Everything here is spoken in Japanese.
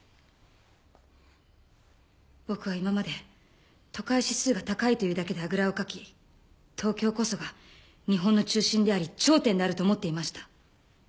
僕は今まで都会指数が高いというだけであぐらをかき東京こそが日本の中心であり頂点であると思っていました。